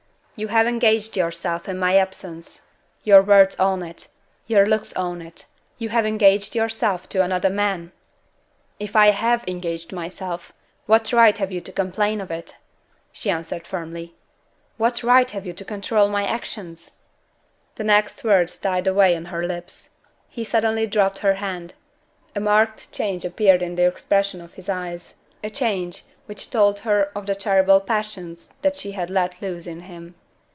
"You have engaged yourself in my absence. Your words own it; your looks own it! You have engaged yourself to another man!" "If I have engaged myself, what right have you to complain of it?" she answered firmly. "What right have you to control my actions ?" The next words died away on her lips. He suddenly dropped her hand. A marked change appeared in the expression of his eyes a change which told her of the terrible passions that she had let loose in him.